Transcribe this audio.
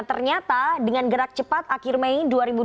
ternyata dengan gerak cepat akhir mei dua ribu dua puluh